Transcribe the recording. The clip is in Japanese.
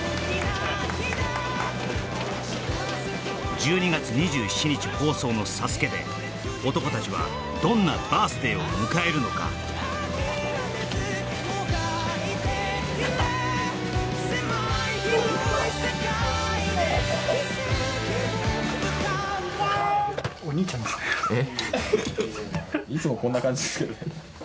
１２月２７日放送の「ＳＡＳＵＫＥ」で男達はどんなバース・デイを迎えるのかえっ？